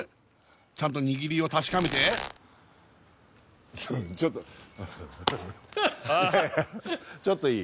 ちゃんと握りを確かめてちょっといやいやちょっといい？